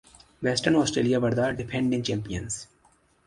Western Australia were the defending champions.